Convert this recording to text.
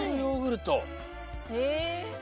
へえ。